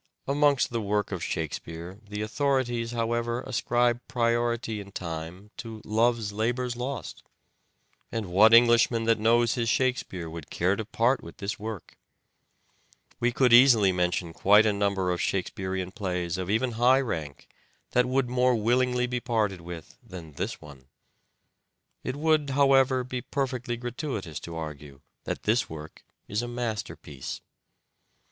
Amongst the work of Shakespeare the authorities, however, ascribe priority in time to " Love's Labour's Lost ;" and what English man that knows his Shakespeare would care to part with this work ? We could easily mention quite a number of Shakespearean plays of even high rank that would more willingly be parted with than this one. It would, however, be perfectly gratuitous to argue that this work is a masterpiece.